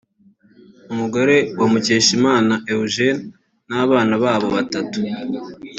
umugore we Mukeshimana Eugenia n’abana babo batatu